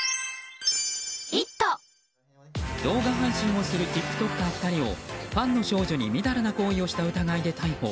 動画配信をするティックトッカー２人をファンの少女にみだらな行為をした疑いで逮捕。